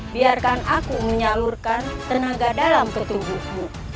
biarkan aku menyalurkan tenaga dalam ke tubuhmu